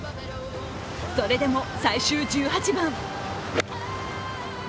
それでも、最終１８番。